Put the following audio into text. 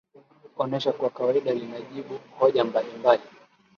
onesho kwa kawaida linajibu hoja mbalimbali